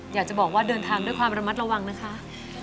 อยากจะบอกว่าเดินทางด้วยความระมัดระวังนะคะ